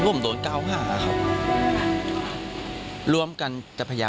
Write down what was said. รถแสงทางหน้า